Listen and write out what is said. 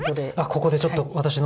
ここでちょっと私の。